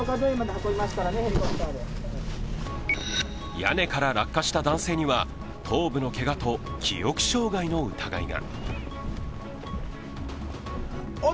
屋根から落下した男性には頭部のけがと記憶障害の疑いが。